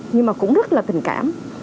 nhưng mà cũng rất là tình cảm